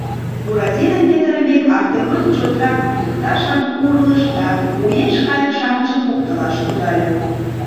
Буратином петырымек, Артемон чотрак лӱдыкташлан урлыш да уэш кайык-шамычым поктылаш кудале.